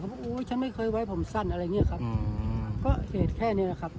บอกโอ้ยฉันไม่เคยไว้ผมสั้นอะไรอย่างเงี้ยครับก็เหตุแค่นี้แหละครับ